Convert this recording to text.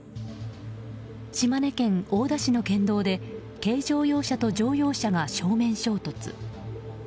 島根県大田市の県道で軽乗用車と乗用車が正面衝突。